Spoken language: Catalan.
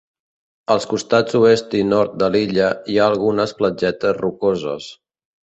Als costats oest i nord de l'illa hi ha algunes platgetes rocoses.